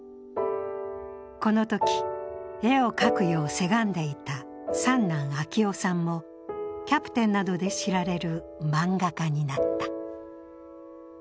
このとき絵を描くようせがんでいた三男・あきおさんも「キャプテン」などで知られる漫画家になった。